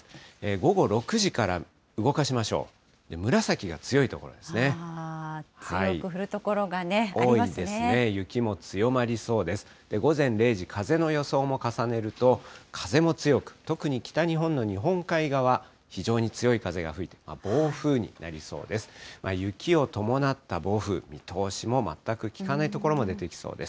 午前０時、風の予想も重ねると、風も強く、特に北日本の日本海側、非常に強い風が吹いて、暴風になりそうです。